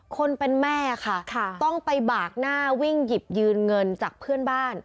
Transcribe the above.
คนเป็นแม่ค่ะต้องไปบากหน้าวิ่งหยิบยืนเงินจากเพื่อนบ้าน